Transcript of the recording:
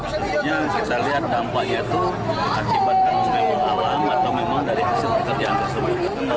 sebenarnya kita lihat dampaknya itu akibatkan muslim alam atau memang dari hasil pekerjaan tersebut